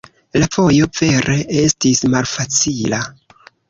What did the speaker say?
La vojo vere estis malfacila.